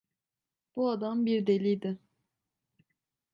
Bu adam bir deliydi…